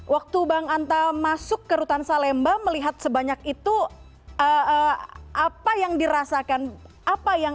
waktu bang anta masuk ke rutan salemba melihat sebanyak itu apa yang dirasakan apa yang